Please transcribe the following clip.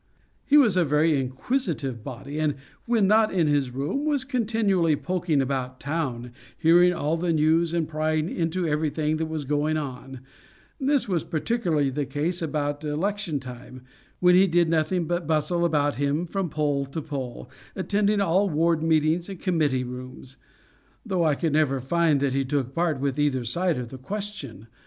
He was a very inquisitive body, and when not in his room was continually poking about town, hearing all the news, and prying into everything that was going on; this was particularly the case about election time, when he did nothing but bustle about him from poll to poll, attending all ward meetings and committee rooms; though I could never find that he took part with either side of the question.